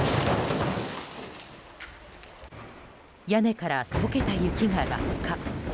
屋根から解けた雪が落下。